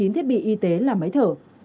một trăm chín mươi chín thiết bị y tế là máy thở